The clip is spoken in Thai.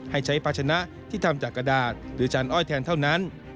ให้ใช้ภาชนะที่ทำจากกระดาษหรือจานอ้อยแทนเท่านั้น